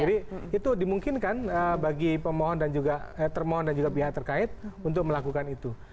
jadi itu dimungkinkan bagi permohon dan juga pihak terkait untuk melakukan itu